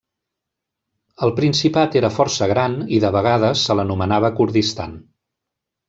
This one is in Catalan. El principat era força gran i de vegades se l'anomenava Kurdistan.